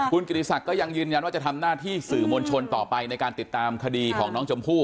คุณกิติศักดิ์ก็ยังยืนยันว่าจะทำหน้าที่สื่อมวลชนต่อไปในการติดตามคดีของน้องชมพู่